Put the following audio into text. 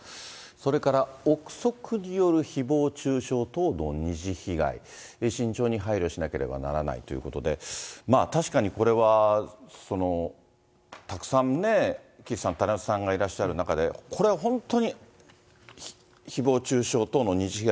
それから臆測によるひぼう中傷等の二次被害、慎重に配慮しなければならないということで、確かにこれはたくさんね、岸さん、タレントさんがいらっしゃる中で、これは本当にひぼう中傷等の二次被害。